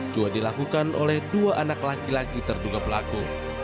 juga dilakukan oleh dua anak laki laki terduga pelaku